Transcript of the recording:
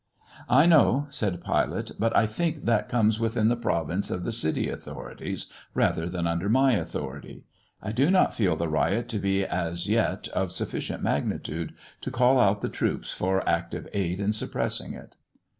"I know," said Pilate, "but I think that comes within the province of the city authorities rather than under my authority. I do not feel the riot to be as yet of sufficient magnitude to call out the troops for active aid in suppressing it."